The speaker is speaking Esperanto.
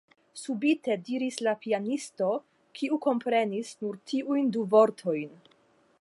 subite diris la pianisto, kiu komprenis nur tiujn du vortojn.